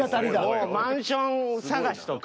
もうマンション探しとか。